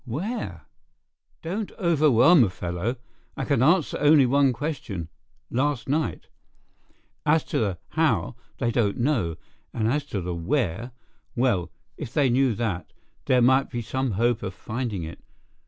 Where?" "Don't overwhelm a fellow. I can answer only one question—last night. As to the 'how,' they don't know, and as to the 'where'—well, if they knew that, there might be some hope of finding it.